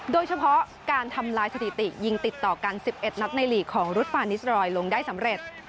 โดยเฉพาะการทำลายสถิติยิงติดต่อกัน๑๑นัดในหลีกของรุดปานิสรอยลงได้สำเร็จ